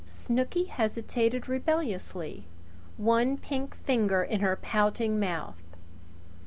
Snooky hesitated rebelliously, one pink finger in her pouting mouth.